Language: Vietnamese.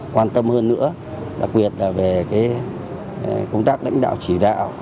quan tâm hơn nữa đặc biệt là về công tác lãnh đạo chỉ đạo